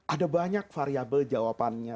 ada banyak variabel jawabannya